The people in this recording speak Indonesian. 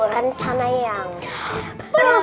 rencana yang perfect